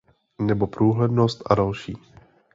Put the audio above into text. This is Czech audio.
Nebo průhlednost a další.